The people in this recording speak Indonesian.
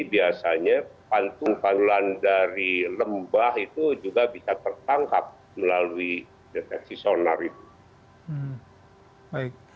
biasanya pantun pantulan dari lembah itu juga bisa tertangkap melalui deteksi sonar itu